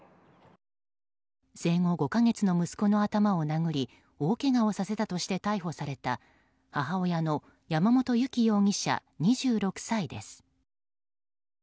生後５か月の息子の頭を殴り大けがをさせたとして逮捕された母親の山本由貴容疑者、２６歳です。